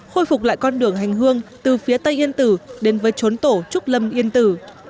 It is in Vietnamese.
khôi phục lại con đường hành hương từ phía tây yên tử đến với chốn tổ trúc lâm yên tử